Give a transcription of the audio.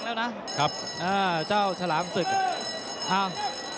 แล้วนะครับอ่าเจ้าฉลามศึกอ้าว